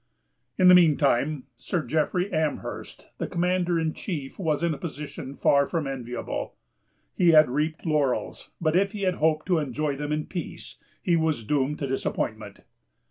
In the mean time, Sir Jeffrey Amherst, the Commander in chief, was in a position far from enviable. He had reaped laurels; but if he hoped to enjoy them in peace, he was doomed to disappointment.